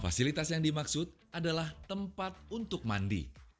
fasilitas yang dimaksud adalah tempat untuk mandi